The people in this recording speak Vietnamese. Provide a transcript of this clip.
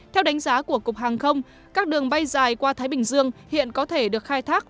theo đánh giá của cục hàng không các đường bay dài qua thái bình dương hiện có thể được khai thác